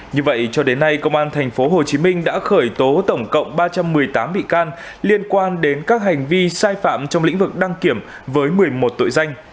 như vậy cho đến nay công an tp hcm đã khởi tố tổng cộng ba trăm một mươi tám bị can liên quan đến các hành vi sai phạm trong lĩnh vực đăng kiểm với một mươi một tội danh